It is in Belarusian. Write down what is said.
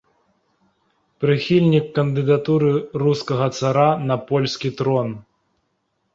Прыхільнік кандыдатуры рускага цара на польскі трон.